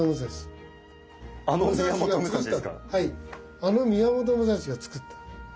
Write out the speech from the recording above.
あの宮本武蔵がつくった。